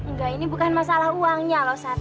enggak ini bukan masalah uangnya loh